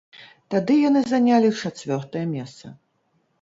Тады яны занялі чацвёртае месца.